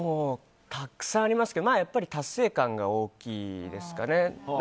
たくさんありますけどやっぱり達成感が大きいですかね。